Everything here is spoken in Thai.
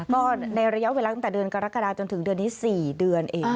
ก็ในระยะเวลาตั้งแต่เดือนกรกฎาจนถึงเดือนนี้๔เดือนเอง